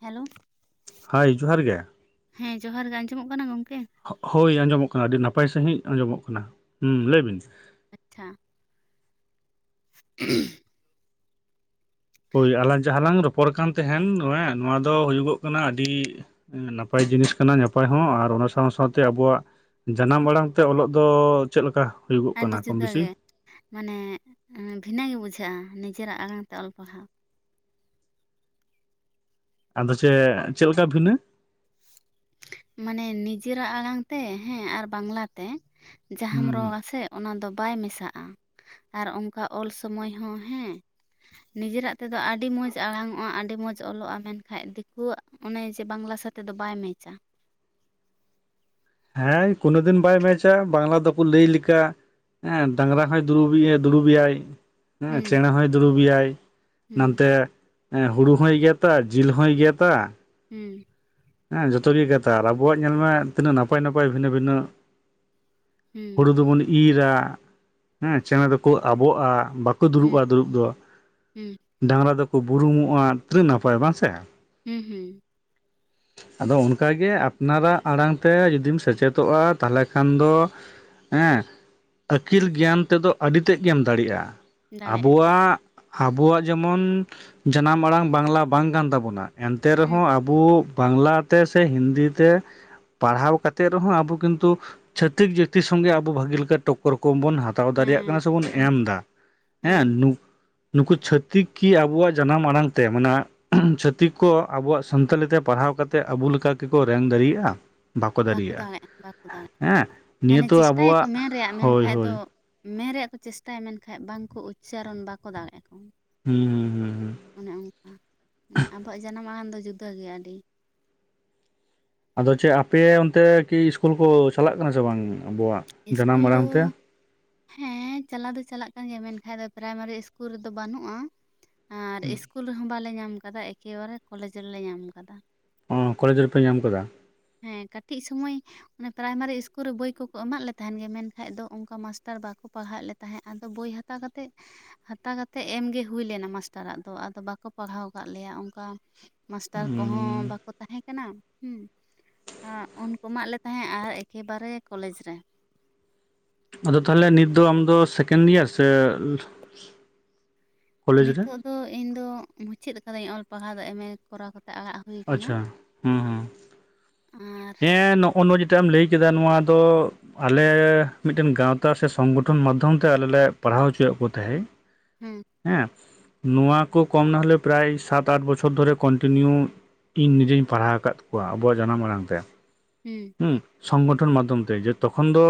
Hello hi ᱡᱚᱦᱟᱨ ᱜᱮ᱾ ᱦᱮᱸ ᱡᱚᱦᱟᱨ ᱜᱮ ᱟᱸᱡᱚᱢᱚᱜ ᱠᱟᱱᱟ ᱜᱚᱝᱠᱮ? ᱦᱚᱜ.... ᱦᱚᱭ ᱟᱸᱡᱚᱢᱚᱜ ᱠᱟᱱᱟ ᱟᱹᱰᱤ ᱱᱟᱯᱟᱭ ᱥᱟᱺᱦᱤᱡ ᱟᱸᱡᱚᱢᱚᱜ ᱠᱟᱱᱟ ᱦᱮᱸ ᱞᱟᱹᱭ ᱵᱤᱱ᱾ ᱟᱪᱪᱷᱟ᱾ [unintelligible] ᱦᱚᱭ ᱟᱞᱟᱝ ᱡᱟᱦᱟᱸ ᱞᱟᱝ ᱨᱚᱯᱚᱲ ᱠᱟᱱ ᱛᱟᱦᱮᱱ ᱱᱚᱬᱮ ᱱᱚᱣᱟ ᱫᱚ ᱦᱩᱭᱩᱜᱚᱜ ᱠᱟᱱᱟ ᱟᱹᱰᱤ ᱱᱟᱯᱟᱭ ᱡᱤᱱᱤᱥ ᱠᱟᱱᱟ ᱱᱟᱯᱟᱭ ᱦᱚᱸ ᱟᱨ ᱚᱱᱟ ᱥᱟᱶ ᱥᱟᱶᱛᱮ ᱟᱵᱚᱣᱟᱜ ᱡᱟᱱᱟᱢ ᱟᱲᱟᱝ ᱛᱮ ᱚᱞᱚᱜ ᱫᱚ ᱪᱮᱫ ᱞᱮᱠᱟ? ᱦᱩᱭᱩᱜᱚᱜ ᱟᱹᱰᱤ ᱠᱟᱱᱟ ᱠᱚᱢ ᱵᱮᱥᱤ ᱡᱩᱫᱟᱹᱜᱮ ᱢᱟᱱᱮ ᱵᱷᱤᱱᱟᱹ ᱜᱮ ᱵᱩᱡᱷᱟᱹᱜᱼᱟ ᱱᱤᱡᱮᱨᱟᱜ ᱟᱲᱟᱝ ᱛᱮ ᱚᱞ ᱯᱟᱲᱦᱟᱣ᱾ ᱟᱫᱚ ᱪᱮᱫ ᱪᱮᱫ ᱞᱮᱠᱟ ᱵᱷᱤᱱᱟᱹ? ᱢᱟᱱᱮ ᱱᱤᱡᱮᱨᱟᱜ ᱟᱲᱟᱝ ᱛᱮ ᱦᱮᱸ ᱟᱨ ᱵᱟᱝᱞᱟ ᱛᱮ ᱡᱟᱦᱟᱸᱢ ᱦᱩᱸ ᱨᱚᱲ-ᱟ ᱥᱮ ᱚᱱᱟ ᱫᱚ ᱵᱟᱭ ᱢᱮᱥᱟᱜᱼᱟ ᱟᱨ ᱚᱱᱠᱟ ᱚᱞ ᱥᱚᱢᱚᱭ ᱦᱚᱸ ᱦᱮᱸ ᱱᱤᱡᱮᱨᱟᱜ ᱛᱮᱫᱚ ᱟᱹᱰᱤ ᱢᱚᱸᱡᱽ ᱟᱲᱟᱝ ᱚᱜᱼᱟ ᱟᱹᱰᱤ ᱢᱚᱸᱡᱽ ᱚᱞᱚᱜᱼᱟ ᱢᱮᱱᱠᱷᱟᱡ ᱫᱤᱠᱩᱣᱟᱜ ᱚᱱᱮ ᱡᱮ ᱵᱟᱝᱞᱟ ᱥᱟᱛᱮᱜ ᱫᱚ ᱵᱟᱭ ᱢᱮᱪ-ᱟ᱾ ᱦᱮᱸ ᱠᱳᱱᱳ ᱫᱤᱱ ᱵᱟᱭ ᱢᱮᱪ-ᱟ ᱵᱟᱝᱞᱟ ᱫᱚᱠᱚ ᱞᱟᱹᱭ ᱞᱮᱠᱟ ᱦᱮᱸ ᱰᱟᱝᱨᱟ ᱦᱚᱸᱭ ᱫᱩᱨᱩᱵ ᱮᱭᱟ ᱫᱩᱲᱩᱵ ᱮᱭᱟᱭ ᱦᱮᱸ ᱦᱩᱸ ᱪᱮᱬᱮ ᱦᱚᱸᱭ ᱫᱩᱲᱩᱵ ᱮᱭᱟᱭ ᱦᱩᱸ ᱱᱚᱱᱛᱮ ᱦᱮᱸ ᱦᱩᱲᱩ ᱦᱚᱸᱭ ᱜᱮᱫ-ᱟ ᱡᱤᱞ ᱦᱚᱭ ᱜᱮᱫ-ᱟ ᱦᱩᱸ ᱦᱮᱸ ᱡᱚᱛᱚ ᱜᱮ ᱜᱮᱫ-ᱟ ᱟᱨ ᱟᱵᱚᱣᱟᱜ ᱧᱮᱞ ᱢᱮ ᱛᱤᱱᱟᱹᱜ ᱱᱟᱯᱟᱭ ᱱᱟᱯᱟᱭ ᱵᱷᱤᱱᱟᱹ ᱵᱷᱤᱱᱟᱹ ᱦᱩᱸ ᱦᱩᱲᱩ ᱫᱚ ᱵᱚᱱ ᱤᱨ-ᱟ ᱦᱮᱸ ᱪᱮᱬᱮ ᱫᱚ ᱠᱚ ᱟᱵᱚᱜᱼᱟ ᱵᱟ- -ᱠᱩ ᱦᱩᱸ ᱫᱩᱲᱩᱵᱼᱟ ᱫᱩᱲᱩᱵ ᱫᱚ ᱦᱩᱸ ᱰᱟᱝᱨᱟ ᱫᱚ ᱠᱚ ᱵᱩᱨᱩᱢᱚᱜᱼᱟ ᱛᱤᱱᱟᱹᱜ ᱱᱟᱯᱟᱭ ᱵᱟᱝ ᱥᱮ᱾ ᱦᱩᱸ ᱦᱩᱸ ᱟᱫᱚ ᱚᱱᱠᱟᱜᱮ ᱟᱯᱱᱟᱨᱟᱜ ᱟᱲᱟᱝ ᱛᱮ ᱡᱩᱫᱤᱢ ᱥᱮᱪᱮᱫᱚᱜᱼᱟ ᱛᱟᱦᱚᱞᱮ ᱠᱷᱟᱱ ᱫᱚ ᱦᱮᱸ ᱟᱹᱠᱤᱞ ᱦᱩᱸ ᱜᱮᱭᱟᱱ ᱛᱮᱫᱚ ᱟᱹᱰᱤ ᱛᱮᱫ ᱜᱮᱢ ᱫᱟᱲᱮᱜᱼᱟ, ᱫᱟᱲᱮᱭᱟᱜᱼᱟ ᱟᱵᱚᱣᱟᱜ ᱟᱵᱚᱣᱟᱜ ᱡᱮᱢᱚᱱ ᱡᱟᱱᱟᱢ ᱟᱲᱟᱝ ᱵᱟᱝᱞᱟ ᱵᱟᱝ ᱠᱟᱱ ᱛᱟᱵᱚᱱᱟ ᱮᱱᱛᱮ ᱦᱩᱸ ᱨᱮᱦᱚᱸ ᱟᱵᱚ ᱵᱟᱝᱞᱟ ᱛᱮ ᱥᱮ ᱦᱤᱱᱫᱤ ᱛᱮ ᱯᱟᱲᱦᱟᱣ ᱠᱟᱛᱮᱫ ᱨᱮᱦᱚᱸ ᱟᱵᱚ ᱠᱤᱱᱛᱩ ᱪᱷᱟᱹᱛᱤᱠ ᱡᱟᱹᱛᱤ ᱥᱚᱸᱜᱮ ᱟᱵᱚ ᱵᱷᱟᱹᱜᱤ ᱞᱮᱠᱟ ᱴᱚᱠ.... ᱠᱳᱨ ᱠᱳᱢᱵᱚᱱ ᱦᱟᱛᱟᱣ ᱫᱟᱲᱮᱭᱟᱜ ᱦᱮᱸ ᱠᱟᱱᱟ ᱥᱮ ᱵᱚᱱ ᱮᱢ ᱩᱱᱠᱩ ᱮᱫᱟ ᱦᱮᱸ, ᱱᱩ..... ᱱᱩᱠᱩ ᱪᱷᱟᱹᱛᱤᱠ ᱠᱤ ᱟᱵᱚᱣᱟᱜ ᱡᱟᱱᱟᱢ ᱟᱲᱟᱝ ᱛᱮ ᱢᱟᱱᱮ ᱪᱷᱟᱹᱛᱤᱠ ᱠᱚ ᱟᱵᱚᱣᱟᱜ ᱥᱟᱱᱛᱟᱞᱤ ᱛᱮ ᱯᱟᱲᱦᱟᱣ ᱠᱟᱛᱮᱫ ᱟᱵᱩ ᱞᱮᱠᱟ ᱠᱤᱠᱚ ᱨᱮᱝ ᱫᱟᱲᱮᱭᱟᱜᱼᱟ? ᱵᱟᱠᱚ ᱦᱮᱸ [unintelligible] ᱱᱤᱭᱟᱹ ᱢᱟᱱᱮ ᱛᱚ ᱪᱮᱥᱴᱟᱭᱟ ᱠᱚ ᱟᱵᱚᱣᱟᱜ ᱢᱮᱱ ᱨᱮᱭᱟᱜ ᱦᱳᱭ ᱢᱮᱱᱠᱷᱟᱡ ᱫᱚ ᱦᱳᱭ ᱢᱮᱱ ᱨᱮᱭᱟᱜ ᱠᱚ ᱪᱮᱥᱴᱟᱭᱟ ᱢᱮᱱᱠᱷᱟᱡ ᱵᱟᱝ ᱠᱚ ᱩᱪᱪᱟᱨᱚᱱ ᱵᱟᱠᱚ ᱫᱟᱲᱮᱜᱼᱟ᱾ ᱦᱩᱸ ᱦᱩᱸ ᱦᱩᱸ ᱦᱩᱸ [unintelligible] ᱟᱵᱚᱣᱟᱜ ᱡᱟᱱᱟᱢ ᱟᱲᱟᱝ ᱫᱚ ᱡᱩᱫᱟᱹ ᱜᱮᱭᱟ ᱟᱹᱰᱤ᱾ ᱟᱫᱚ ᱪᱮ ᱟᱯᱮ ᱚᱱᱛᱮ ᱠᱤ ᱤᱥᱠᱩᱞ ᱠᱚ ᱪᱟᱞᱟᱜ ᱠᱟᱱᱟ ᱥᱮ ᱵᱟᱝ ᱟᱵᱚᱣᱟᱜ? ᱤᱥᱠᱩᱞ ᱡᱟᱱᱟᱢ ᱫᱚ ᱟᱲᱟᱝ ᱛᱮ ᱦᱮᱸ, ᱪᱟᱞᱟᱣ ᱫᱚ ᱪᱟᱞᱟᱜ ᱠᱟᱱ ᱜᱮᱭᱟ ᱢᱮᱱᱠᱷᱟᱡ ᱫᱚ ᱯᱨᱟᱭᱢᱟᱨᱤ ᱤᱥᱠᱩᱞ ᱨᱮᱫᱚ ᱵᱟᱹᱱᱩᱜᱼᱟ ᱟᱨ ᱤᱥ ᱠᱩᱞ ᱨᱮᱦᱚᱸ ᱵᱟᱞᱮ ᱧᱟᱢ ᱠᱟᱫᱟ, ᱮᱠᱮᱵᱟᱨᱮ ᱠᱚᱞᱮᱡᱽ ᱨᱮᱞᱮ ᱧᱟᱢ ᱠᱟᱫᱟ᱾ ᱚᱸ, ᱠᱚᱞᱮᱡᱽ ᱨᱮᱯᱮ ᱧᱟᱢ ᱠᱟᱫᱟ? ᱦᱮᱸ, ᱠᱟᱹᱴᱤᱡ ᱥᱳᱢᱚᱭ ᱢᱮ ᱯᱨᱟᱭᱢᱟᱨᱤ ᱤᱥᱠᱩᱞ ᱨᱮ ᱵᱳᱭ ᱠᱚᱠᱚ ᱮᱢᱟᱜ ᱞᱮ ᱛᱟᱦᱮᱸᱱ ᱜᱮ ᱢᱮᱱᱠᱷᱟᱡ ᱫᱚ ᱚᱱᱠᱟ ᱢᱟᱥᱴᱟᱨ ᱵᱟᱠᱚ ᱯᱟᱲᱦᱟᱣᱮᱜ ᱞᱮ ᱛᱟᱦᱮᱸᱜ ᱟᱫᱚ ᱵᱳᱭ ᱦᱟᱛᱟ ᱠᱟᱛᱮᱜ ᱦᱟᱛᱟ ᱠᱟᱛᱮᱜ ᱮᱢᱜᱮ ᱦᱩᱭ ᱞᱮᱱᱟ ᱢᱟᱥᱴᱟᱨᱟᱜ ᱫᱚ, ᱟᱫᱚ ᱵᱟᱠᱚ ᱯᱟᱲᱦᱟᱣ ᱠᱟᱜ ᱞᱮᱭᱟ ᱚᱱᱠᱟ᱾ ᱢᱟᱥᱴᱟᱨ ᱠᱚᱦᱚᱸ ᱩᱸ ᱵᱟᱠᱚ ᱛᱟᱦᱮᱸ ᱠᱟᱱᱟ, ᱦᱩᱸ᱾ ᱟᱸᱜ ᱩᱱᱠᱩ ᱮᱢᱟᱜ ᱞᱮ ᱛᱟᱦᱮᱸ ᱟᱨ ᱮᱠᱮᱵᱟᱨᱮ ᱠᱚᱞᱮᱡᱽ ᱨᱮ᱾ ᱟᱫᱚ ᱛᱟᱦᱚᱞᱮ ᱱᱤᱛ ᱫᱚ ᱟᱢᱫᱚ ᱥᱮᱠᱮᱱᱰ ᱤᱭᱟᱨ ᱥᱮ ᱠᱚᱞᱮᱡᱽ ᱨᱮ ᱱᱤᱛᱚᱜ ᱫᱚ ᱤᱧ ᱫᱚ ᱢᱩᱪᱟᱹᱫ ᱟᱠᱟᱹᱫᱟᱹᱧ ᱚᱞ ᱯᱟᱲᱦᱟᱣ ᱫᱚ ᱮᱢᱮ ᱠᱚᱨᱟᱣ ᱠᱟᱛᱮ ᱟᱲᱟᱜ ᱦᱩᱭ ᱟᱠᱟᱱᱟ ᱟᱪᱷᱟ, ᱦᱩᱸᱼᱦᱩᱸ ᱟᱨ ᱦᱮᱸ ᱱᱚ ᱚ-ᱱᱚ ᱡᱮᱴᱟᱜ ᱮᱢ ᱞᱟᱹᱭ ᱠᱮᱫᱟ ᱱᱚᱣᱟ ᱫᱚ ᱟᱞᱮ ᱢᱤᱜᱴᱮᱝ ᱜᱟᱶᱛᱟ ᱥᱮ ᱥᱚᱝᱜᱚᱴᱷᱚᱱ ᱢᱟᱫᱽᱫᱷᱚᱢ ᱛᱮ ᱟᱞᱮ ᱞᱮ ᱯᱟᱲᱦᱟᱣ ᱦᱚᱪᱚᱭᱮᱜ ᱠᱚ ᱛᱟᱦᱮᱸ᱾ ᱦᱩᱸ᱾ ᱦᱮᱸ, ᱱᱚᱣᱟ ᱠᱚ ᱠᱚᱢ ᱱᱟᱦᱚᱞᱮ ᱯᱨᱟᱭ ᱥᱟᱛᱼᱟᱴ ᱵᱚᱪᱷᱚᱨ ᱫᱷᱚᱨᱮ ᱠᱚᱱᱴᱤᱱᱤᱭᱩ ᱤᱧ ᱱᱤᱡᱮᱧ ᱯᱟᱲᱦᱟᱣ ᱟᱠᱟᱫ ᱠᱚᱣᱟ, ᱟᱵᱚᱣᱟᱜ ᱡᱟᱱᱟᱢ ᱟᱲᱟᱝ ᱛᱮ᱾ ᱩᱸ᱾ ᱩᱸ ᱥᱚᱝᱜᱚᱴᱷᱚᱱ ᱢᱟᱫᱽᱫᱷᱚᱢ ᱛᱮ, ᱡᱮ ᱛᱚᱠᱷᱚᱱ ᱫᱚ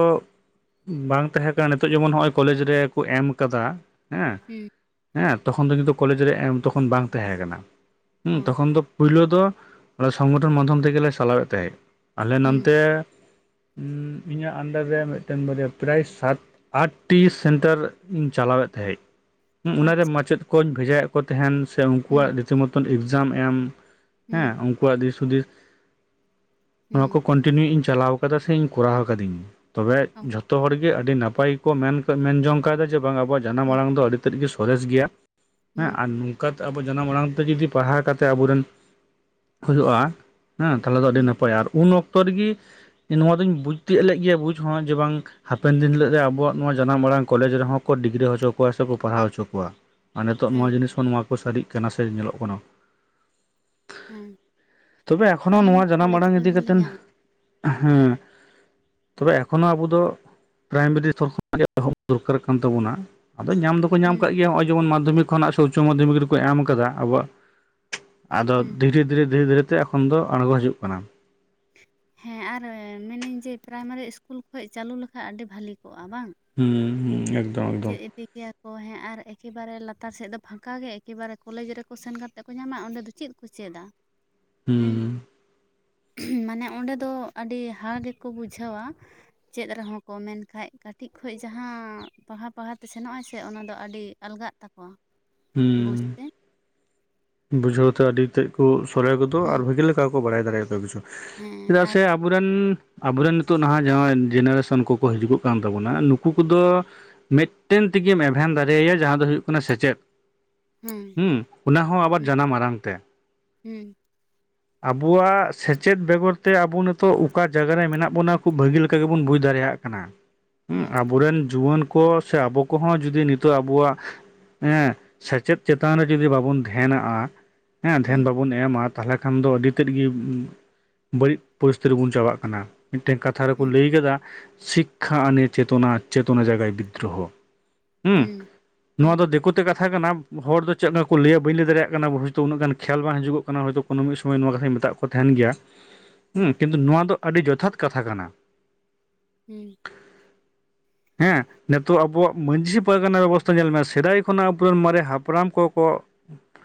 ᱩᱸ ᱵᱟᱝ ᱛᱟᱦᱮᱸ ᱠᱟ ᱱᱤᱛᱚᱜ ᱡᱮᱢᱚᱱ ᱦᱚᱼᱚᱭ ᱠᱚᱞᱮᱡᱽ ᱨᱮ ᱠᱚ ᱮᱢ ᱠᱟᱫᱟ, ᱦᱮᱸ᱾ ᱩᱸ᱾ ᱦᱮᱸ ᱛᱚᱠᱷᱚᱱ ᱫᱚ ᱠᱤᱱᱛᱩ ᱠᱚᱞᱮᱡᱽ ᱨᱮ ᱮᱢ ᱛᱚᱠᱷᱚᱱ ᱵᱟᱝ ᱛᱟᱦᱮᱸ ᱠᱟᱱᱟ, ᱦᱩᱸ ᱚ ᱛᱚᱠᱷᱚᱱ ᱫᱚ ᱯᱳᱭᱞᱳ ᱫᱚ ᱥᱚᱝᱜᱚᱴᱷᱚᱱ ᱢᱟᱫᱽᱫᱷᱚᱢ ᱛᱮᱜᱮ ᱞᱮ ᱥᱟᱞᱟᱣᱮᱜ ᱛᱟᱦᱮᱸ, ᱟᱞᱮ ᱦᱩᱸ ᱱᱚᱱᱛᱮ ᱩᱸᱻ ᱤᱧᱟᱹᱜ ᱟᱱᱰᱟᱨ ᱨᱮ ᱢᱤᱜᱴᱮᱱ ᱵᱟᱨᱭᱟ ᱯᱨᱟᱭ ᱥᱟᱛ ᱟᱴᱴᱤ ᱥᱮᱱᱴᱟᱨ ᱤᱧ ᱪᱟᱞᱟᱣᱮᱜ ᱛᱟᱦᱮᱸᱜ᱾ ᱩᱸ ᱚᱱᱟᱨᱮ ᱟᱪᱪᱷᱟ ᱢᱟᱪᱮᱫ ᱠᱚᱧ ᱵᱷᱮᱡᱟᱭᱮᱜ ᱠᱚ ᱛᱟᱦᱮᱸᱱ, ᱥᱮ ᱦᱩᱸ ᱩᱱᱠᱩᱣᱟᱜ ᱨᱤᱛᱤ ᱢᱚᱛᱚᱱ ᱤᱠᱡᱟᱢ ᱮᱢ ᱦᱮᱸ, ᱦᱩᱸ ᱩᱱᱠᱩᱣᱟᱜ ᱫᱤᱥ ᱦᱩᱫᱤᱥ ᱱᱚᱣᱟ ᱦᱩᱸ ᱠᱚ ᱠᱚᱱ ᱴᱤᱱᱤᱭᱩ ᱤᱧ ᱪᱟᱞᱟᱣ ᱟᱠᱟᱫᱟ ᱥᱮᱧ ᱠᱚᱨᱟᱣ ᱠᱟᱫᱤᱧ ᱛᱚᱵᱮ ᱚ ᱡᱷᱚᱛᱚ ᱦᱚᱲ ᱜᱮ ᱟᱹᱰᱤ ᱱᱟᱯᱟᱭ ᱜᱮ ᱠᱚ ᱢᱮᱱ ᱛᱮ ᱢᱮᱱ ᱡᱚᱝ ᱠᱟᱫᱟ ᱡᱮ ᱵᱟᱝ ᱟᱵᱚᱣᱟᱜ ᱡᱟᱱᱟᱢ ᱦᱩᱸ ᱟᱲᱟᱝ ᱫᱚ ᱟᱹᱰᱤ ᱛᱮᱫ ᱜᱮ ᱥᱚᱨᱮᱥ ᱜᱮᱭᱟ, ᱦᱮᱸ ᱦᱩᱸ ᱟ ᱱᱤ ᱠᱟᱛ ᱟᱵᱚ ᱡᱟᱱᱟᱢ ᱟᱲᱟᱝ ᱛᱮ ᱡᱩᱫᱤ ᱯᱟᱲᱦᱟᱣ ᱠᱟᱛᱮᱜ ᱟᱵᱚᱨᱮᱱ ᱠᱩ ᱦᱩᱭᱩᱜᱼᱟ᱾ ᱦᱮᱸ ᱛᱟᱦᱚᱞᱮ ᱫᱚ ᱟᱹᱰᱤ ᱦᱩᱸ ᱱᱟᱯᱟᱭᱟ ᱟᱨ ᱩᱱ ᱚᱠᱛᱚ ᱨᱤᱜᱤ ᱱᱚᱣᱟ ᱫᱚᱧ ᱵᱩᱡ ᱛᱤᱭᱟᱹᱜ ᱞᱮᱜ ᱜᱮᱭᱟ ᱵᱩᱡ ᱦᱚᱸ ᱡᱮ ᱵᱟᱝ ᱦᱟᱯᱮᱱ ᱫᱤᱱ ᱦᱤᱞᱟᱜ ᱨᱮ ᱟᱵᱚᱣᱟᱜ ᱱᱚᱣᱟ ᱡᱟᱱᱟᱢ ᱟᱲᱟᱝ ᱠᱚᱞᱮᱡᱽ ᱨᱮᱦᱚᱸ ᱠᱚ ᱰᱤᱜᱽᱨᱤ ᱦᱚᱪᱚ ᱠᱚᱣᱟ, ᱥᱮ ᱠᱚ ᱯᱟᱲᱦᱟᱣ ᱚᱪᱚ ᱠᱚᱣᱟ, ᱟ ᱱᱮᱛᱚᱜ ᱱᱚᱣᱟ ᱦᱮᱸ ᱡᱤᱱᱤᱥ ᱦᱚᱸ ᱱᱚᱣᱟ ᱠᱚ ᱥᱟᱹᱨᱤᱜ ᱠᱟᱱᱟ ᱥᱮ ᱧᱮᱞᱚᱜ ᱠᱟᱱᱟ᱾ ᱦᱮᱸ ᱛᱚᱵᱮ ᱮᱠᱷᱚᱱᱚ ᱟᱞᱮ ᱢᱟ ᱱᱚᱣᱟ ᱡᱟᱱᱟᱢ ᱠᱚᱞᱮᱡᱽ ᱟᱲᱟᱝ ᱤᱫᱤ ᱨᱮᱞᱮ ᱠᱟᱛᱮᱱ ᱧᱟᱢ ᱦᱮᱸ᱾ ᱛᱚᱵᱮ ᱮᱠᱷᱚᱱᱚ ᱟᱵᱩ ᱫᱚ ᱯᱨᱟᱭᱢᱟᱨᱤ ᱮᱥᱛᱚᱨ ᱠᱷᱚᱱᱟᱜ ᱜᱮ ᱮᱦᱚᱵ ᱫᱚᱨᱠᱟᱨ ᱠᱟᱱ ᱛᱟᱵᱚᱱᱟ, ᱟᱫᱚ ᱧᱟᱢ ᱫᱚ ᱠᱩ ᱧᱟᱢ ᱦᱩᱸ ᱠᱟᱜ ᱜᱮᱭᱟ, ᱦᱚᱼᱚᱭ ᱡᱮᱢᱚᱱ ᱢᱟᱫᱽᱫᱷᱚᱢᱤᱠ ᱠᱷᱚᱱᱟᱜ ᱥᱮ ᱩᱪᱪᱚ ᱢᱟᱫᱽᱫᱷᱚᱢᱤᱠ ᱨᱮᱠᱚ ᱮᱢ ᱟᱠᱟᱫᱟ, ᱟᱵᱚᱣᱟᱜ ᱟᱫᱚ ᱦᱩᱸ ᱫᱷᱤᱨᱮ ᱫᱷᱤᱨᱮ ᱫᱷᱤᱨᱮ ᱫᱷᱤᱨᱮ ᱛᱮ ᱮᱠᱷᱚᱱ ᱫᱚ ᱟᱬᱜᱚ ᱦᱤᱡᱩᱜ ᱠᱟᱱᱟ᱾ ᱦᱮᱸ, ᱟᱨ ᱢᱮᱱᱤᱧ ᱡᱮ ᱯᱨᱟᱭᱢᱟᱨᱤ ᱤᱥᱠᱩᱞ ᱠᱷᱚᱡ ᱪᱟᱹᱞᱩ ᱞᱮᱠᱷᱟᱜ ᱟᱹᱰᱤ ᱵᱷᱟᱹᱞᱤ ᱠᱚᱜᱼᱟ ᱵᱟᱝ᱾ ᱦᱩᱸᱻ ᱮᱠ ᱪᱮᱜ ᱮᱫᱤ? ᱠᱮᱭᱟ ᱠᱚ ᱦᱮᱸ ᱟᱨ ᱮᱠᱤᱵᱟᱨᱮ ᱞᱟᱛᱟᱨ ᱥᱮᱜ ᱫᱚ ᱯᱷᱟᱸᱠᱟ ᱜᱮ ᱮᱠᱤᱵᱟᱨᱮ ᱠᱚᱞᱮᱡᱽ ᱨᱮᱠᱚ ᱥᱮᱱ ᱠᱟᱛᱮᱜ ᱠᱚ ᱧᱟᱢᱟ, ᱚᱸᱰᱮ ᱫᱚ ᱪᱤᱫ ᱠᱚ ᱪᱮᱫᱟ ᱦᱮᱸ? ᱦᱩᱸ ᱢᱟᱱᱮ ᱚᱸᱰᱮ ᱫᱚ ᱟᱹᱰᱤ ᱦᱟ ᱜᱮᱠᱚ ᱵᱩᱡᱷᱟᱹᱣᱟ᱾ ᱪᱮᱫ ᱨᱮᱦᱚᱸ ᱠᱚ ᱢᱮᱱᱠᱟᱡ ᱠᱟᱹᱴᱤᱡ ᱠᱷᱚᱡ ᱡᱟᱦᱟᱸ ᱯᱟᱲᱦᱟᱣ ᱯᱟᱲᱦᱟᱣ ᱛᱮ ᱥᱮᱱᱚᱜ ᱟᱭ ᱥᱮ ᱚᱱᱟᱫᱚ ᱟᱹᱰᱤ ᱟᱞᱜᱟᱜ ᱛᱟᱠᱚᱣᱟ᱾ ᱦᱩᱸ [unintelligible] ᱵᱩᱡᱷᱟᱹᱣ ᱛᱮ ᱟᱹᱰᱤ ᱜᱮᱫ ᱠᱚ ᱥᱚᱞᱦᱮ ᱜᱚᱫᱚ ᱟᱨ ᱦᱮᱸ ᱵᱷᱟᱹᱜᱤ ᱞᱮᱠᱟ ᱠᱚ ᱵᱟᱲᱟᱭ ᱫᱟᱲᱮᱭᱟ ᱛᱚᱵᱮᱥᱚᱠ ᱦᱮᱸ ᱪᱮᱫᱟᱜ ᱟᱨ ᱥᱮ ᱟᱵ.... [unintelligible] -ᱵᱚᱨᱮᱱ, ᱟᱵᱚᱨᱮᱱ ᱱᱤᱛᱚᱜ ᱱᱟᱦᱟᱸᱜ ᱡᱟᱦᱟᱸ ᱡᱮᱱᱟᱨᱮᱥᱚᱱ ᱠᱚᱠᱚ ᱦᱤᱡᱩᱜ ᱠᱟᱱ ᱛᱟᱵᱚᱱᱟ ᱱᱩᱠᱩ ᱠᱚᱫᱚ, ᱢᱤᱫᱴᱮᱱ ᱛᱮᱜᱮᱢ ᱮᱵᱷᱮᱱ ᱫᱟᱲᱮᱭᱟᱭᱟ ᱡᱟᱦᱟᱸ ᱫᱚ ᱦᱩᱭᱩᱜ ᱠᱟᱱᱟ ᱥᱮᱪᱮᱫ᱾ ᱦᱮᱸ ᱦᱩᱸ ᱚᱱᱟ ᱦᱚᱸ ᱟᱵᱟᱨ ᱡᱟᱱᱟᱢ ᱟᱨᱟᱝ ᱛᱮ᱾ ᱦᱩᱸ ᱟᱵᱩᱣᱟᱜ ᱥᱮᱪᱮᱫ ᱵᱮᱜᱚᱨ ᱛᱮ ᱟᱵᱩ ᱱᱤᱛᱚᱜ ᱚᱠᱟ ᱡᱟᱜᱟ ᱨᱮ ᱢᱮᱱᱟᱜ ᱵᱚᱱᱟ ᱠᱷᱩᱵ ᱵᱷᱟᱹᱜᱤ ᱞᱮᱠᱟ ᱜᱮᱵᱩᱱ ᱵᱩᱡᱽ ᱫᱟᱲᱮᱭᱟᱜ ᱠᱟᱱᱟ᱾ [inaudible] [unintelligible] ᱟᱵᱚᱨᱮᱱ ᱡᱩᱣᱟᱹᱱ ᱠᱚ ᱥᱮ ᱟᱵᱚ ᱠᱚᱦᱚᱸ ᱡᱩᱫᱤ ᱱᱤᱛᱚᱜ ᱟᱵᱚᱣᱟᱜ, ᱦᱮᱸ ᱥᱮᱪᱮᱫ ᱪᱮᱛᱟᱱ ᱨᱮ ᱡᱩᱫᱤ ᱵᱟᱵᱚᱱ ᱫᱷᱮᱭᱟᱱᱜᱼᱟ ᱦᱮᱸ ᱫᱷᱮᱭᱟᱱ ᱵᱟᱵᱚᱱ ᱮᱢᱟ ᱛᱟᱦᱚᱞᱮ ᱠᱷᱟᱱ ᱫᱚ ᱟᱹᱰᱤ ᱛᱮᱫ ᱜᱮ ᱵᱟᱹᱲᱤᱡ ᱯᱚᱥᱛ ᱨᱮᱵᱚᱱ ᱪᱟᱵᱟᱜ ᱠᱟᱱᱟ᱾ ᱢᱤᱫᱴᱮᱱ ᱠᱟᱛᱷᱟ ᱨᱮ ᱦᱮᱸ ᱠᱚ ᱦᱮᱸ ᱞᱟᱹᱭ ᱟᱠᱟᱫᱟ ᱥᱤᱠᱷ [unintelligible] ᱠᱷᱟ ᱟᱱᱮ ᱪᱮᱛᱚᱱᱟ ᱪᱮᱛᱚᱱᱟ ᱡᱟᱜᱟᱭ ᱵᱤᱫᱽᱨᱚᱦᱚ ᱦᱩᱸ ᱦᱮᱸ ᱱᱚᱶᱟ ᱫᱚ ᱫᱤᱠᱚ ᱢᱤᱫᱴᱮᱫ ᱠᱟᱛᱷᱟ ᱠᱟᱱᱟ ᱦᱚᱲ ᱫᱚ ᱪᱮᱫ ᱞᱮᱠᱟ ᱠᱚ ᱞᱟᱹᱭᱟ ᱵᱟᱹᱧ ᱞᱟᱹᱭ ᱫᱟᱲᱮᱭᱟᱜ ᱠᱟᱱᱟ ᱦᱳᱭᱛᱳ ᱩᱱᱟᱹᱜ ᱜᱟᱱ ᱠᱷᱮᱭᱟᱞ ᱵᱟᱝ ᱦᱤᱡᱩᱜ ᱠᱟᱱᱟ ᱦᱚᱭᱛᱳ ᱠᱚᱱᱚ ᱢᱤᱫ ᱥᱚᱢᱚᱭ ᱱᱚᱣᱟ ᱠᱟᱛᱷᱟᱧ ᱢᱮᱛᱟᱜ ᱠᱚ ᱛᱟᱦᱮᱸᱱ ᱜᱮᱭᱟ ᱦᱮᱸ ᱦᱩᱸ ᱠᱤᱱᱛᱩ ᱱᱚᱣᱟ ᱫᱚ ᱟᱹᱰᱤ ᱡᱚᱛᱷᱟᱛ ᱠᱟᱛᱷᱟ ᱠᱟᱱᱟ᱾ ᱦᱩᱸ ᱦᱮᱸ ᱱᱤᱛᱚᱜ ᱟᱵᱚᱣᱟᱜ ᱢᱟᱺᱡᱷᱤ ᱯᱟᱨᱜᱟᱱᱟ ᱵᱮᱵᱚᱥᱛᱷᱟ ᱧᱮᱞ ᱢᱮ ᱥᱮᱫᱟᱭ ᱠᱷᱚᱱᱟᱜ ᱟᱵᱚᱨᱮᱱ ᱢᱟᱨᱮ ᱦᱟᱯᱲᱟᱢ ᱠᱚ ᱠᱚ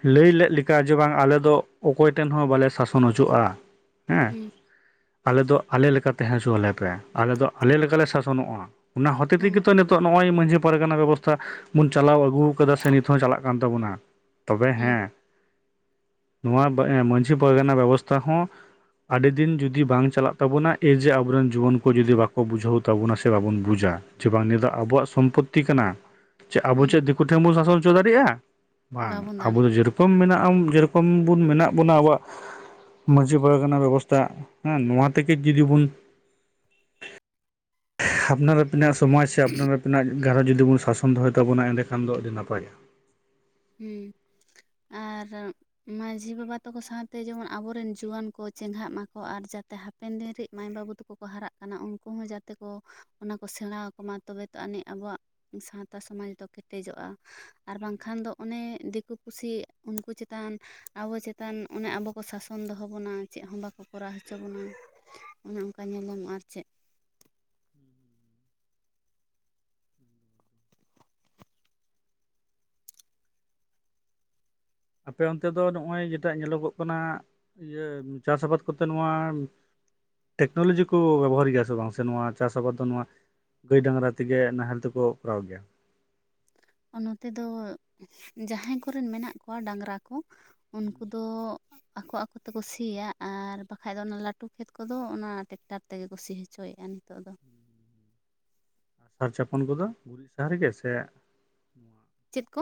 ᱞᱟᱹᱭ ᱞᱮᱫ ᱞᱮᱠᱟ ᱡᱮ ᱵᱟᱝ ᱟᱞᱮ ᱫᱚ ᱚᱠᱚᱭ ᱴᱷᱮᱱ ᱦᱚᱸ ᱵᱟᱞᱮ ᱥᱟᱥᱚᱱ ᱦᱚᱪᱚᱜᱼᱟ ᱦᱮᱸ ᱟᱞᱮ ᱫᱚ ᱟᱞᱮ ᱞᱮᱠᱟ ᱛᱟᱦᱮᱸ ᱦᱚᱪᱚᱣᱟᱞᱮ ᱯᱮ ᱟᱞᱮ ᱫᱚ ᱟᱪᱪᱷᱟ ᱟᱞᱮ ᱞᱮᱠᱟ ᱞᱮ ᱥᱟᱥᱚᱱᱚᱜᱼᱟ ᱚᱱᱟ ᱦᱚᱛᱮ ᱦᱮᱸ ᱛᱮᱜᱮ ᱛᱚ ᱱᱤᱛᱚᱜ ᱱᱚᱜᱼᱚᱭ ᱢᱟᱺᱡᱷᱤ ᱯᱟᱨᱜᱟᱱᱟ ᱵᱮᱵᱚᱥᱛᱷᱟ ᱵᱚᱱ ᱪᱟᱞᱟᱣ ᱟᱹᱜᱩ ᱟᱠᱟᱫᱟ ᱥᱮ ᱱᱤᱛ ᱦᱚᱸ ᱪᱟᱞᱟᱜ ᱠᱟᱱ ᱛᱟᱵᱚᱱᱟ, ᱛᱚᱵᱮ ᱦᱮᱸ ᱱᱚᱣᱟ ᱵᱟ.... ᱢᱟᱺᱡᱷᱤ ᱯᱟᱨᱜᱟᱱᱟ ᱵᱮᱵᱚᱥᱛᱷᱟ ᱦᱚᱸ ᱟᱰᱤ ᱫᱤᱱ ᱡᱩᱫᱤ ᱵᱟᱝ ᱪᱟᱞᱟᱜ ᱛᱟᱵᱚᱱᱟ ᱮᱭ ᱡᱮ ᱟᱵᱚᱨᱮᱱ ᱡᱩᱣᱟᱹᱱ ᱠᱚ ᱡᱩᱫᱤ ᱵᱟᱠᱚ ᱵᱩᱡᱷᱟᱹᱣ ᱛᱟᱵᱚᱱᱟ ᱥᱮ ᱵᱟᱵᱚᱱ ᱵᱩᱡᱷᱽ-ᱟ ᱡᱮ ᱵᱟᱝ ᱱᱤᱭᱟᱹ ᱫᱚ ᱟᱵᱚᱣᱟᱜ ᱥᱚᱢᱯᱚᱛᱛᱤ ᱠᱟᱱᱟ ᱪᱮᱫ ᱟᱵᱚ ᱦᱮᱸ ᱪᱮᱫ ᱫᱤᱠᱩ ᱴᱷᱮᱱ ᱵᱚᱱ ᱥᱟᱥᱚᱱ ᱦᱚᱪᱚ ᱫᱟᱲᱮᱭᱟᱜᱼᱟ? ᱵᱟᱝ ᱵᱟᱵᱚᱱ ᱟᱵᱚ ᱫᱟᱲᱮᱭᱟᱜᱼᱟ ᱫᱚ ᱡᱮ ᱨᱚᱠᱚᱢ ᱢᱮᱱᱟᱜᱼᱟ ᱡᱮᱨᱚᱠᱚᱢ ᱵᱩᱱ ᱢᱮᱱᱟᱜ ᱵᱚᱱᱟ ᱟᱵᱚᱣᱟᱜ ᱢᱟᱺᱡᱷᱤ ᱯᱟᱨᱜᱟᱱᱟ ᱵᱮᱵᱚᱥᱛᱷᱟ ᱦᱮᱸ ᱱᱚᱣᱟ ᱛᱮᱜᱮ ᱡᱩᱫᱤ ᱵᱚᱱ [unintelligible] ᱟᱯᱱᱟᱨᱟᱜ ᱛᱤᱱᱟᱜ ᱥᱚᱢᱚᱭ ᱥᱮ ᱟᱯᱱᱟᱨᱟᱜ ᱛᱤᱱᱟᱹᱜ ᱜᱷᱟᱨᱚᱸᱡᱽ ᱡᱩᱫᱤ ᱵᱚᱱ ᱥᱟᱥᱚᱱ ᱫᱚᱦᱚᱭ ᱛᱟᱵᱚᱱᱟ ᱮᱸᱰᱮ ᱠᱷᱟᱱ ᱫᱚ ᱟᱹᱰᱤ ᱱᱟᱯᱟᱭᱚᱜᱼᱟ ᱦᱩᱸ ᱟᱨ ᱢᱟᱹᱡᱷᱤ ᱵᱟᱵᱟ ᱛᱟᱠᱚ ᱥᱟᱶᱛᱮ ᱡᱮᱢᱚᱱ ᱟᱵᱚᱨᱮᱱ ᱡᱩᱣᱟᱹᱱ ᱠᱚ ᱪᱮᱸᱜᱷᱟᱜ ᱢᱟ ᱠᱚ ᱟᱨ ᱡᱟᱛᱮ ᱦᱟᱯ.... -ᱯᱮᱱ ᱫᱤᱱ ᱨᱮᱱ ᱢᱟᱭ ᱵᱟᱹᱵᱩ ᱛᱟᱠᱚ ᱠᱚ ᱦᱟᱨᱟᱜ ᱠᱟᱱᱟ ᱩᱱᱠᱩ ᱦᱚᱸ ᱡᱟᱛᱮ ᱠᱚ ᱚᱱᱟ ᱠᱚ ᱥᱮᱬᱟ ᱟᱠᱚᱢᱟ ᱛᱚᱵᱮ ᱛᱚ ᱟᱹᱱᱤᱡ ᱟᱵᱚᱣᱟᱜ ᱥᱟᱶᱛᱟ ᱥᱚᱢᱟᱡᱽ ᱫᱚ ᱠᱮᱴᱮᱡᱚᱜᱼᱟ ᱟᱨ ᱵᱟᱝᱠᱷᱟᱱ ᱫᱚ ᱚᱱᱮ ᱫᱤᱠᱩ ᱯᱩᱥᱤ ᱩᱱᱠᱩ ᱪᱮᱛᱟᱱ ᱟᱵᱚ ᱪᱮᱛᱟᱱ ᱚᱱᱮ ᱟᱵᱚ ᱠᱚ ᱥᱟᱥᱚᱱ ᱫᱚᱦᱚ ᱵᱚᱱᱟ ᱪᱮᱫ ᱦᱚᱸ ᱵᱟᱠᱚ ᱠᱚᱨᱟᱣ ᱦᱚᱪᱚ ᱵᱚᱱᱟ ᱚᱱᱮ ᱚᱱᱠᱟ ᱧᱮᱞᱧᱟᱢᱚᱜᱼᱟ ᱟᱨ ᱪᱮᱫ ᱟᱯᱮ ᱚᱱᱛᱮ ᱫᱚ ᱱᱚᱜᱼᱚᱭ ᱡᱮᱴᱟᱜ ᱧᱮᱞᱚᱜᱚᱜ ᱠᱟᱱᱟ ᱤᱭᱟᱹ ᱪᱟᱥ ᱟᱵᱟᱫᱽ ᱠᱚᱛᱮ ᱱᱚᱣᱟ ᱴᱮᱠᱱᱳᱞᱚᱡᱤ ᱠᱚ ᱵᱮᱵᱚᱦᱟᱨ ᱜᱮᱭᱟ ᱥᱮ ᱵᱟᱝ ᱥᱮ ᱱᱚᱶᱟ ᱪᱟᱥ ᱟᱵᱟᱫᱽ ᱫᱚ ᱱᱚᱶᱟ ᱜᱟᱹᱭ ᱰᱟᱝᱨᱟ ᱛᱮᱜᱮ ᱱᱟᱦᱮᱞ ᱛᱮᱠᱚ ᱠᱚᱨᱟᱣ ᱜᱮᱭᱟ ᱱᱚᱛᱮ ᱫᱚ ᱡᱟᱦᱟᱸᱭ ᱠᱚᱨᱮᱱ ᱢᱮᱱᱟᱜ ᱠᱚᱣᱟ ᱰᱟᱝᱨᱟ ᱠᱚ ᱩᱱᱠᱩ ᱫᱚ ᱟᱠᱚ ᱟᱠᱚ ᱛᱮᱠᱚ ᱥᱤᱭᱟ ᱟᱨ ᱵᱟᱠᱷᱟᱡ ᱫᱚ ᱚᱱᱟ ᱞᱟᱹᱴᱩ ᱠᱷᱮᱛ ᱠᱚᱫᱚ ᱚᱱᱟ ᱴᱮᱠᱴᱟᱨ ᱛᱮᱜᱮ ᱠᱚ ᱥᱤ ᱦᱚ... ᱪᱚᱭᱮᱫᱼᱟ ᱱᱤᱛᱚᱜ ᱫᱚ ᱟᱨ ᱥᱟᱨ ᱪᱷᱟᱯᱚᱱ ᱠᱚᱫᱚ ᱜᱩᱨᱤᱡ ᱥᱟᱨ ᱜᱮ ᱥᱮ ᱪᱮᱫ ᱠᱚ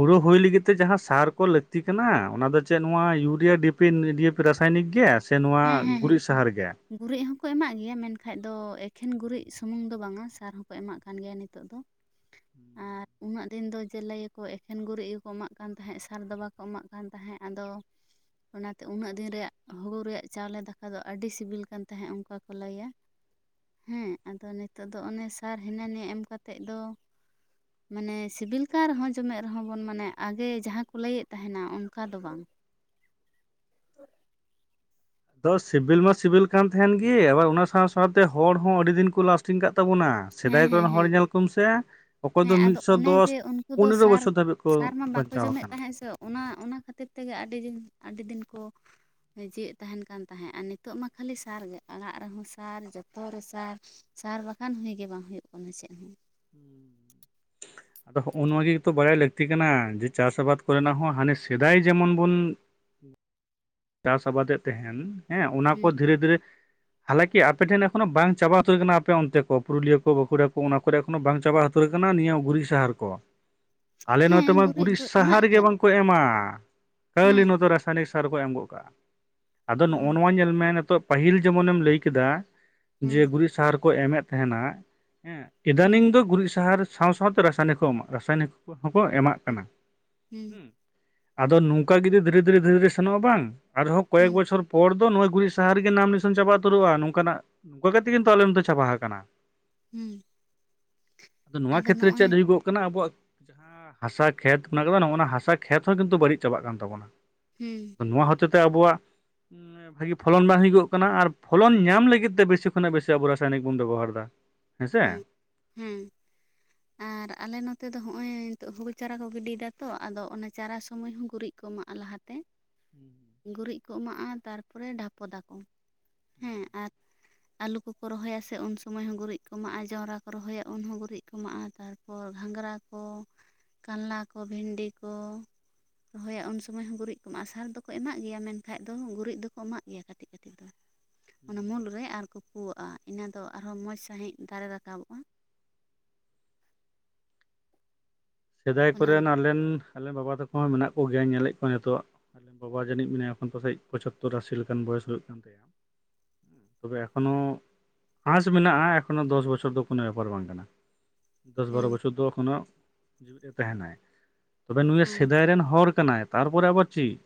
ᱦᱚᱲᱚ ᱦᱩᱭ ᱞᱟᱹᱜᱤᱫ ᱛᱮ ᱡᱟᱦᱟᱸ ᱥᱟᱨ ᱠᱚ ᱞᱟᱹᱠᱛᱤ ᱠᱟᱱᱟ ᱚᱱᱟ ᱫᱚ ᱪᱮᱫ ᱱᱚᱣᱟ ᱭᱩᱨᱤᱭᱟ ᱰᱤ ᱯᱤ ᱮᱸ ᱰᱤᱭᱮᱯᱤ ᱨᱟᱥᱟᱭᱱᱤᱠ ᱜᱮ ᱥᱮ ᱱᱚᱣᱟ ᱦᱮᱸ ᱦᱮᱸ ᱦᱮᱸ ᱜᱩᱨᱤᱡ ᱥᱟᱦᱟᱨ ᱜᱮ ᱜᱩᱨᱤᱡ ᱦᱚᱸᱠᱚ ᱮᱢᱟᱜ ᱜᱮᱭᱟ ᱢᱮᱱᱠᱟᱱᱡ ᱫᱚ ᱮᱠᱷᱮᱱ ᱜᱩᱨᱤᱡ ᱥᱩᱢᱩᱝ ᱫᱚ ᱵᱟᱝ-ᱟ ᱥᱟᱨ ᱦᱚᱸᱠᱚ ᱮᱢᱟᱜ ᱠᱟᱱ ᱜᱮᱭᱟ ᱱᱤᱛᱚᱜ ᱫᱚ ᱟᱨ ᱩᱱᱟᱹᱜ ᱫᱤᱱ ᱫᱚ ᱡᱮ ᱞᱟᱹᱭᱟᱠᱚ ᱮᱠᱷᱮᱱ ᱜᱩᱨᱤᱡ ᱜᱮᱠᱚ ᱮᱢᱟᱜ ᱠᱟᱱ ᱛᱟᱦᱮᱸᱫ ᱥᱟᱨ ᱫᱚ ᱵᱟᱠᱚ ᱮᱢᱟᱜ ᱠᱟᱱ ᱛᱟᱦᱮᱸᱫ ᱟᱫᱚ ᱚᱱᱟᱛᱮ ᱩᱱᱟᱹᱜ ᱫᱤᱱ ᱨᱮᱭᱟᱜ ᱦᱳᱲᱩ ᱨᱮᱭᱟᱜ ᱪᱟᱣᱞᱮ ᱫᱟᱠᱟ ᱫᱚ ᱟᱹᱰᱤ ᱥᱤᱵᱤᱞ ᱠᱟᱱ ᱛᱟᱦᱮᱸᱫ ᱚᱱᱠᱟ ᱠᱚ ᱞᱟᱹᱭᱟ ᱦᱮᱸ ᱟᱫᱚ ᱱᱤᱛᱚᱜ ᱫᱚ ᱚᱱᱮ ᱥᱟᱨ ᱦᱤᱱᱟᱹ ᱱᱤᱭᱟᱹ ᱮᱢ ᱠᱟᱛᱮᱫ ᱫᱚ ᱢᱟᱱᱮ ᱥᱤᱵᱤᱞ ᱠᱟᱱ ᱨᱮᱦᱚᱸ ᱡᱚᱢᱮᱫ ᱨᱮᱦᱚᱸ ᱵᱚᱱ ᱢᱟᱱᱮ ᱟᱜᱮ ᱡᱟᱦᱟᱸ ᱠᱚ ᱞᱟᱹᱭᱮᱫ ᱛᱟᱦᱮᱱᱟ ᱚᱱᱠᱟ ᱫᱚ ᱵᱟᱝ ᱟᱫᱚ ᱥᱤᱵᱤᱞ ᱢᱟ ᱥᱤᱵᱤᱞ ᱠᱟᱱ ᱛᱟᱦᱮᱱ ᱜᱮ ᱟᱵᱟᱨ ᱚᱱᱟ ᱥᱟᱶ ᱥᱟᱶᱛᱮ ᱦᱚᱲᱦᱚᱸ ᱟᱹᱰᱤ ᱫᱤᱱ ᱠᱚ ᱞᱟᱥᱴᱤᱝ ᱠᱟᱜ ᱛᱟᱵᱚᱱᱟ ᱥᱮᱫᱟᱭ ᱦᱮᱸ ᱦᱮᱸ ᱠᱚᱨᱮᱱ ᱦᱚᱲ ᱦᱮᱸ ᱧᱮᱞ ᱠᱚᱢ ᱥᱮ ᱚᱠᱚᱭ ᱫᱚ ᱦᱮᱸ ᱟᱫᱚ ᱢᱤᱫᱥᱚ ᱚᱱᱮ ᱡᱮ ᱫᱚᱥ ᱩᱱᱠᱩ ᱫᱚ ᱯᱚᱱᱮᱨᱚ ᱥᱟᱨ ᱵᱚᱪᱷᱚᱨ ᱫᱷᱟᱹᱵᱤᱡ ᱠᱚ ᱥᱟᱨ ᱢᱟ ᱵᱟᱠᱚ ᱵᱟᱧᱪᱟᱣ ᱡᱚᱢᱮᱫ ᱟᱠᱟᱱᱟ ᱛᱟᱦᱮᱸᱜ ᱥᱮ ᱚᱱᱟ ᱚᱱᱟ ᱠᱷᱟᱹᱛᱤᱨ ᱛᱮᱜᱮ ᱟᱹᱰᱤ ᱫᱤᱱ ᱟᱹᱰᱤ ᱫᱤᱱ ᱠᱚ ᱡᱤᱣᱮᱫ ᱛᱟᱦᱮᱱ ᱠᱟᱱ ᱛᱟᱦᱮᱸᱫ ᱟᱨ ᱱᱤᱛᱚᱜ ᱢᱟ ᱠᱷᱟᱹᱞᱤ ᱥᱟᱨ ᱜᱮ ᱟᱲᱟᱜ ᱨᱮᱦᱚᱸ ᱥᱟᱨ ᱡᱚᱛᱚ ᱨᱮ ᱥᱟᱨ ᱥᱟᱨ ᱵᱟᱠᱷᱟᱱ ᱦᱩᱜᱮ ᱵᱟᱝ ᱦᱩᱭᱩᱜ ᱠᱟᱱᱟ ᱪᱮᱫ ᱦᱚᱸ ᱦᱩᱸ ᱟᱫᱚ ᱦᱚᱸᱜᱼᱚ ᱱᱚᱣᱟ ᱜᱮᱛᱚ ᱵᱟᱲᱟᱭ ᱞᱟᱹᱠᱛᱤ ᱠᱟᱱᱟ ᱡᱮ ᱪᱟᱥ ᱟᱵᱟᱫᱽ ᱠᱚᱨᱮᱱᱟᱜ ᱦᱚᱸ ᱦᱟᱱᱮ ᱥᱮᱫᱟᱭ ᱡᱮᱢᱚᱱ ᱵᱚᱱ ᱪᱟᱥ ᱟᱵᱟᱫᱮᱫ ᱛᱮᱦᱮᱱ ᱦᱮᱸ ᱚᱱᱟ ᱠᱚ ᱫᱷᱤᱨᱮ ᱫᱷᱤᱨᱮ ᱛᱷᱟᱞᱮ ᱠᱤ ᱟᱯᱮ ᱴᱷᱮᱱ ᱮᱠᱷᱚᱱᱳ ᱵᱟᱝ ᱪᱟᱵᱟ ᱩᱛᱟᱹᱨ ᱟᱠᱟᱱᱟ ᱟᱯᱮ ᱚᱱᱛᱮ ᱠᱚ ᱯᱩᱨᱩᱞᱤᱭᱟᱹ ᱠᱚ ᱵᱟᱸᱠᱩᱲᱟ ᱠᱚ ᱚᱱᱟ ᱠᱚᱨᱮ ᱠᱚᱱᱳ ᱵᱟᱝ ᱪᱟᱵᱟ ᱩᱛᱟᱹᱨ ᱟᱠᱟᱱᱟ ᱱᱤᱭᱟᱹ ᱜᱩᱨᱤᱡ ᱥᱟᱦᱟᱨ ᱠᱚ [unintelligible] ᱟᱞᱮ ᱱᱚᱛᱮ ᱦᱮᱸ ᱢᱟ ᱜᱩᱨᱤᱡ ᱫᱚ ᱮᱢᱟᱜ ᱥᱟᱦᱟᱨ ᱜᱮ ᱜᱮᱭᱟ ᱵᱟᱝᱠᱚ ᱮᱢᱟ ᱠᱷᱞᱤ ᱦᱮᱸ ᱱᱚᱛᱮ ᱨᱟᱥᱟᱭᱱᱤᱠ ᱥᱟᱨ ᱠᱚ ᱮᱢ ᱜᱚᱜ ᱠᱟᱱᱟ ᱟᱫᱚ ᱚ ᱱᱚᱜᱼᱚ ᱱᱚᱣᱟ ᱧᱮᱞ ᱢᱮ ᱱᱤᱛᱚᱜ ᱯᱟᱹᱦᱤᱞ ᱡᱮᱢᱚᱱ ᱮᱢ ᱞᱟᱹᱭ ᱠᱮᱫᱟ ᱡᱮ ᱦᱩᱸ ᱜᱩᱨᱤᱡ ᱥᱟᱦᱟᱨ ᱠᱚ ᱮᱢᱮᱫ ᱛᱮᱦᱮᱱᱟ ᱦᱮᱸ ᱦᱩᱸ ᱤᱫᱟᱱᱤᱝ ᱫᱚ ᱜᱩᱨᱤᱡ ᱥᱟᱦᱟᱨ ᱥᱟᱣ ᱥᱟᱣᱛᱮ ᱨᱟᱥᱟᱭᱱᱤᱠ ᱠᱚ ᱮᱢᱟᱜ ᱨᱟᱥᱟᱭᱚᱱᱤᱠ ᱦᱚᱠᱚ ᱮᱢᱟᱜ ᱦᱩᱸ ᱠᱟᱱᱟ। ᱦᱩᱸ ᱟᱫᱚ ᱱᱚᱝᱠᱟ ᱜᱤᱫᱟᱹ ᱫᱷᱤᱨᱮ ᱫᱷᱤᱨᱮ ᱫᱷᱤᱨᱮ ᱫᱷᱤᱨᱮ ᱥᱮᱱᱚᱜᱼᱟ ᱵᱟᱝ ᱟᱨᱦᱚᱸ ᱠᱚᱭᱮᱠ ᱦᱩᱸ ᱵᱚᱪᱷᱚᱨ ᱯᱚᱨ ᱛᱚ ᱱᱚᱜ-ᱚᱭ ᱜᱩᱨᱤᱡ ᱥᱟᱦᱟᱨ ᱜᱮ ᱱᱟᱢ ᱱᱤᱥᱟᱱ ᱪᱟᱵᱟ ᱩᱛᱟᱹᱨᱚᱜᱼᱟ ᱱᱚᱝᱠᱟᱱᱟᱜ [unintelligible] ᱛᱤᱜᱤᱱ ᱛᱚ ᱟᱞᱮ ᱱᱚᱛᱮ ᱪᱟᱵᱟ ᱦᱟ ᱠᱟᱱᱟ ᱦᱩᱸ। ᱟᱫᱚ ᱱᱚᱣᱟ ᱠᱷᱮᱛᱨᱮ ᱪᱮᱫ ᱦᱩᱭᱩᱜᱚᱜ ᱠᱟᱱᱟ ᱟᱵᱚᱣᱟᱜ ᱦᱟᱥᱟ ᱠᱷᱮᱛ ᱢᱮᱱᱟᱜ ᱟᱠᱟᱫᱟ ᱱᱚᱜ -ᱚ ᱱᱟ ᱦᱟᱥᱟ ᱠᱷᱮᱛ ᱦᱚᱸ ᱠᱤᱱᱛᱩ ᱵᱟᱹᱲᱤᱡ ᱪᱟᱵᱟᱜ ᱠᱟᱱ ᱛᱟᱵᱚᱱᱟ। ᱦᱩᱸ। ᱱᱚᱣᱟ ᱦᱚᱛᱮ ᱛᱮ ᱟᱵᱚᱣᱟᱜ ᱵᱷᱟᱜᱤ ᱯᱷᱚᱞᱚᱱ ᱵᱟᱝ ᱦᱩᱭᱩᱜᱚᱜ ᱠᱟᱱᱟ ᱟᱨ ᱯᱷᱚᱞᱚᱱ ᱧᱟᱢ ᱞᱟᱹᱜᱤᱫ ᱛᱮ ᱵᱮᱥᱤ ᱠᱷᱚᱱᱟᱜ ᱵᱮᱥᱤ ᱟᱵᱚ ᱨᱟᱥᱟᱭᱱᱤᱠ ᱵᱚᱱ ᱵᱮᱵᱚᱦᱟᱨ ᱫᱟ। ᱦᱮᱸ ᱦᱮᱸ ᱟᱨ ᱟᱨ ᱟᱞᱮ ᱱᱚᱛᱮ ᱫᱚ ᱦᱚᱜ-ᱚᱭ ᱱᱤᱛᱚᱜ ᱦᱳᱲᱩ ᱪᱟᱨᱟ ᱠᱚ ᱜᱤᱰᱤᱭᱮᱫᱟ ᱛᱚ, ᱟᱫᱚ ᱚᱱᱟ ᱪᱟᱨᱟ ᱥᱚᱢᱚᱭ ᱦᱚᱸ ᱜᱩᱨᱤᱡ ᱠᱚ ᱮᱢᱟᱜᱼᱟ ᱞᱟᱦᱟᱛᱮ। ᱜᱩᱨᱤᱡ ᱠᱚ ᱮᱢᱟᱜᱼᱟ ᱛᱟᱨ ᱯᱚᱨᱮ ᱰᱷᱟᱯᱚ ᱫᱟᱠᱚ ᱦᱮᱸ ᱟᱨ ᱟᱹᱞᱩ ᱠᱚᱠᱚ ᱨᱚᱦᱚᱭᱟ ᱥᱮ ᱩᱱ ᱥᱚᱢᱚᱭ ᱦᱚᱸ ᱜᱩᱨᱤᱡ ᱠᱚ ᱮᱢᱟᱜᱼᱟ, ᱡᱚᱱᱨᱟ ᱠᱚ ᱨᱚᱦᱚᱭᱟ ᱩᱱ ᱦᱚᱸ ᱜᱩᱨᱤᱡ ᱠᱚ ᱮᱢᱟᱜᱼᱟ ᱛᱟᱨᱯᱚᱨ ᱛᱟ ᱯᱚᱨ ᱜᱷᱟᱸᱝᱽᱨᱟ ᱠᱚ, ᱠᱟᱞᱞᱟ ᱠᱚ, ᱵᱷᱤᱱᱰᱤ ᱠᱚ ᱨᱚᱦᱚᱭᱟ ᱩᱱ ᱥᱚᱢᱚᱭ ᱦᱚᱸ ᱜᱩᱨᱤᱡ ᱠᱚ ᱮᱢᱟᱜ ᱟ ᱥᱟᱨ ᱫᱚ ᱠᱚ ᱮᱢᱟᱜ ᱜᱮᱭᱟ, ᱢᱮᱱᱠᱷᱟᱡ ᱫᱚ ᱜᱩᱨᱤᱡ ᱫᱚᱠᱚ ᱮᱢᱟᱜ ᱜᱮᱭᱟ ᱠᱟᱹᱴᱤᱡ ᱠᱟᱹᱴᱤᱡ ᱫᱚ। ᱚᱱᱟ ᱢᱩᱞ ᱨᱮ ᱟᱨᱠᱚ ᱯᱩᱣᱟᱜᱼᱟ ᱤᱱᱟᱹ ᱫᱚ ᱟᱨᱦᱚᱸ ᱢᱚᱸᱡᱽ ᱥᱟᱹᱦᱤᱡ ᱫᱟᱨᱮ ᱨᱟᱠᱟᱵᱚᱜᱼᱟ। ᱥᱮᱫᱟᱭ ᱚᱱᱟ ᱠᱚᱨᱮᱱ ᱟᱞᱮᱱ ᱟᱞᱮ ᱵᱟᱵᱟ ᱛᱟᱠᱚ ᱦᱚᱸ ᱢᱮᱱᱟᱜ ᱠᱚᱜᱮᱭᱟ ᱧᱮᱞᱮᱫ ᱠᱚᱣᱟ ᱱᱤᱛᱚᱜ ᱟᱞᱮ ᱵᱟᱵᱟ ᱡᱟᱹᱱᱤᱡ ᱢᱮᱱᱟᱭᱟ ᱮᱠᱷᱚᱱ ᱯᱟᱥᱮᱡ ᱯᱚᱪᱟᱛᱛᱚᱨ ᱟᱥᱤ ᱞᱮᱠᱟ ᱵᱚᱭᱮᱥ ᱦᱩᱭᱩᱜ ᱠᱟᱱ ᱛᱟᱭᱟ। ᱛᱚᱵᱮ ᱮᱠᱷᱚᱱᱳ ᱟᱥ ᱢᱮᱱᱟᱜᱼᱟ ᱮᱠᱷᱚᱱᱚ ᱫᱚᱥ ᱵᱚᱪᱷᱚᱨ ᱫᱚ ᱠᱚᱱᱚ ᱵᱮᱯᱟᱨ ᱵᱟᱝ ᱠᱟᱱᱟ ᱫᱚᱥ ᱵᱟᱨᱚ ᱦᱩᱸ ᱵᱚᱪᱷᱚᱨ ᱫᱚ ᱮᱠᱷᱚᱱᱳ। ᱡᱮᱣᱮᱫ ᱮ ᱛᱟᱸᱦᱮᱱᱟᱭ ᱛᱚᱵᱮ ᱱᱩᱭ ᱦᱩᱸ ᱥᱮᱫᱟᱭ ᱨᱮᱱ ᱦᱚᱲ ᱠᱟᱱᱟᱭ ᱛᱟᱨᱯᱚᱨᱮ ᱟᱵᱟᱨ ᱪᱤᱫ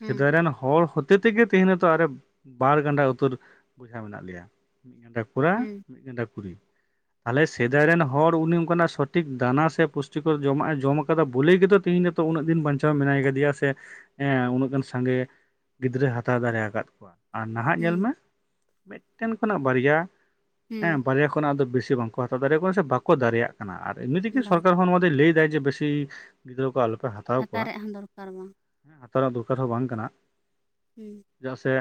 ᱦᱩᱸ ᱥᱮᱫᱟᱭ ᱨᱮᱱ ᱦᱚᱲ ᱦᱚᱛᱮ ᱛᱮᱜᱮ ᱛᱮᱦᱮᱧ ᱟᱨᱮ ᱵᱟᱨ ᱜᱟᱱᱰᱟ ᱩᱛᱟᱹᱨ ᱵᱚᱭᱦᱟ ᱢᱮᱱᱟᱜ ᱞᱮᱭᱟ ᱢᱤᱫ ᱜᱟᱱᱰᱟ ᱠᱚᱲᱟ ᱦᱩᱸ ᱢᱤᱫ ᱜᱟᱱᱰᱟ ᱠᱩᱲᱤ ᱟᱞᱮ ᱥᱮᱫᱟᱭ ᱨᱮᱱ ᱦᱚᱲ ᱩᱱᱤ ᱚᱱᱠᱟᱱᱟᱜ ᱥᱚᱴᱷᱤᱠ ᱫᱟᱱᱟ ᱥᱮ ᱯᱩᱥᱴᱤ ᱴᱤ ᱠᱚᱨ ᱡᱚᱢᱟᱜ ᱮ ᱡᱚᱢ ᱟᱠᱟᱫᱟ ᱵᱚᱞᱮᱭ ᱜᱮᱛᱚ ᱛᱤᱦᱤᱧ ᱱᱤᱛᱚᱜ ᱩᱱᱟᱹᱜ ᱫᱤᱱ ᱵᱟᱧᱪᱟᱣ ᱢᱮᱱᱟᱭ ᱠᱟᱫᱮᱭᱟ ᱥᱮ ᱦᱮᱸ ᱩᱱᱟᱹᱜ ᱜᱟᱱ ᱥᱟᱸᱜᱮ ᱜᱤᱫᱽᱨᱟᱹ ᱦᱟᱛᱟᱣ ᱫᱟᱲᱮ ᱟᱠᱟᱫ ᱠᱚᱣᱟ। ᱟᱨ ᱱᱟᱦᱟᱜ ᱧᱮᱞ ᱦᱩᱸ ᱢᱮ ᱢᱤᱫᱴᱮᱱ ᱠᱷᱚᱱᱟᱜ ᱵᱟᱨᱭᱟ ᱦᱮ ᱦᱩᱸ ᱵᱟᱨᱭᱟ ᱠᱷᱚᱱᱟᱜ ᱫᱚ ᱵᱤᱥᱤ ᱵᱟᱝ। ᱦᱟᱛᱟᱣ ᱫᱟᱲᱮ ᱠᱚᱣᱟ ᱥᱮ ᱵᱟᱠᱚ ᱫᱟᱲᱮᱭᱟᱜ ᱠᱟᱱᱟ ᱟᱨ ᱮᱢᱱᱤᱛᱮᱜᱤ ᱵᱟᱝ ᱥᱚᱨᱠᱟᱨ ᱦᱚᱸ ᱱᱚᱣᱟ ᱞᱟᱹᱭ ᱫᱟᱭ ᱡᱮ ᱵᱮᱥᱤ ᱜᱤᱫᱽᱨᱚ ᱠᱚ ᱟᱞᱚᱯᱮ ᱦᱟᱛ ᱦᱟᱛᱟ ᱨᱮᱭᱟᱜ ᱦᱚᱸ ᱫᱚᱨᱠᱟᱨ ᱵᱟᱝ। ᱦᱟᱛᱟᱣ ᱨᱮᱱᱟᱜ ᱫᱚᱨ ᱠᱟᱨ ᱦᱚᱸ ᱵᱟᱝ ᱠᱟᱱᱟ। ᱦᱩᱸ। ᱪᱮ ᱫᱟᱜ ᱥᱮ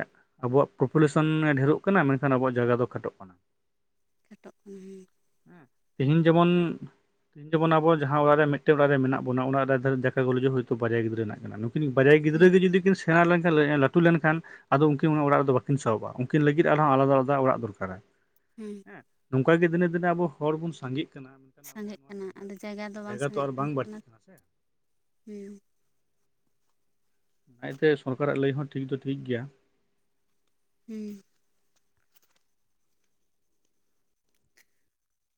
ᱟᱵᱚᱣᱟᱜ ᱯᱚᱯᱩ ᱞᱮ ᱥᱚᱱ ᱰᱷᱮᱨᱚᱜ ᱠᱟᱱᱟ, ᱢᱮᱱ ᱠᱷᱟᱱ ᱟᱵᱚᱣᱟᱜ ᱡᱟᱭᱜᱟ ᱫᱚ ᱠᱷᱟ ᱴᱚᱜ ᱠᱟᱱᱟ। ᱠᱷᱟ ᱴᱚᱜ ᱠᱟᱱᱟ ᱦᱮᱸ। ᱦᱮᱦᱤᱧ ᱡᱮᱢᱚᱱ ᱛᱮᱦᱤᱧ ᱡᱮᱢᱚᱱ ᱟᱵᱚ ᱡᱟᱸᱦᱟ ᱚᱲᱟᱜ ᱨᱮ ᱢᱤᱫ ᱴᱮᱱ ᱵᱟᱨ ᱭᱟ ᱢᱮᱱᱟᱜ ᱵᱚᱱᱟ ᱚᱱᱟ ᱚᱲᱟᱜ ᱨᱮ ᱡᱟᱠᱟ [unintelligible] ᱦᱚᱭ ᱛᱳ ᱵᱟᱨ ᱭᱟ ᱜᱤᱫᱽᱨᱟᱹ ᱦᱮᱱᱟᱜ ᱠᱤᱱᱟ ᱱᱩᱠ ᱵᱟᱨᱭᱟ ᱦᱮᱸ ᱜᱤᱫᱽᱨᱟᱹ ᱜᱮ ᱡᱩᱫᱤ ᱠᱤᱱ ᱥᱮᱬᱟ ᱞᱮᱱ ᱠᱷᱟᱱ, ᱞᱟᱹᱴᱩ ᱞᱮᱱ ᱠᱷᱟᱱ ᱟᱫᱚ ᱩᱱᱠᱤᱱ ᱦᱚᱸ ᱚᱱᱟ ᱚᱲᱟᱜ ᱨᱮᱫᱚ ᱵᱟᱠᱤᱱ ᱥᱟᱦᱚᱵᱼᱟ, ᱩᱱᱠᱤᱱ ᱞᱟᱹᱜᱤᱫ ᱟᱨᱦᱚᱸ ᱟᱞᱟᱫᱟ ᱟᱞᱟᱫᱟ ᱚᱲᱟᱜ ᱫᱚᱨ ᱠᱟᱨᱟ। ᱦᱮᱸ। ᱮᱸ ᱱᱚᱝ ᱠᱟ ᱜᱮ ᱫᱤᱱᱮ ᱫᱤᱱᱮ ᱟᱵᱚ ᱦᱚᱲ ᱵᱚᱱ ᱥᱟᱸᱜᱮᱜ ᱠᱟᱱᱟ᱾ ᱢᱮᱱᱠᱷᱟᱱ ᱟᱵᱚᱣᱟᱜ ᱥᱟᱸᱜᱮᱜ ᱱᱚᱣᱟ ᱠᱟᱱᱟ ᱡᱟᱸᱜᱟ ᱟᱫᱚ ᱡᱟᱭ ᱜᱟ ᱫᱚ ᱵᱟᱝ ᱡᱟᱭᱜᱟ ᱛᱚ ᱥᱟᱸᱜᱮᱜ ᱟᱨ ᱵᱟᱝ ᱠᱟᱱᱟ ᱵᱟᱹᱲᱛᱤᱜ ᱥᱮ ᱦᱮᱸ। ᱚᱱᱟ ᱛᱮ ᱥᱚᱨᱠᱟᱨ ᱟᱜ ᱞᱟᱹᱭ ᱦᱚᱸ ᱴᱷᱤᱠ ᱫᱚ ᱴᱷᱤᱠ ᱜᱮᱭᱟ। ᱦᱩᱸ।